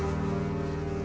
pat terima kasih